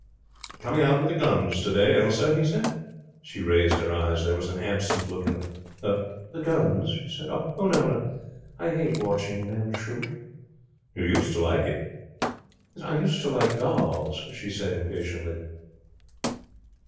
'Coming out with the guns today, Elsa?' he said. She raised her eyes. There was an absent look in them. 'The guns?' she said. 'Oh, no; I hate watching men shoot.' 'You used to like it.' 'I used to like dolls,' she said, impatiently.